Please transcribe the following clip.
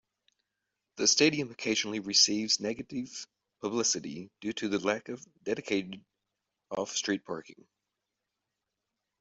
The Stadium occasionally receives negative publicity due to the lack of dedicated off-street parking.